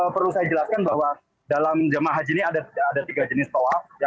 perlu saya jelaskan bahwa